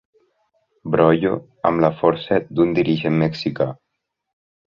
Brollo amb la força d'un dirigent mexicà.